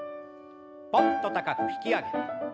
ぽんと高く引き上げて。